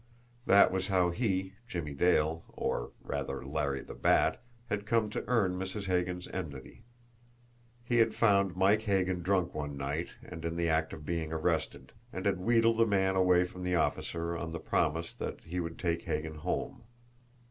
That was how he, Jimmie Dale, or rather, Larry the Bat, had come to earn Mrs. Hagan's enmity. He had found Mike Hagan drunk one night, and in the act of being arrested, and had wheedled the man away from the officer on the promise that he would take Hagan home.